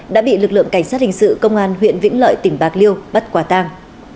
đã bị lực lượng cảnh sát hình sự công an huyện vĩnh lợi tỉnh bạc liêu bắt quả tang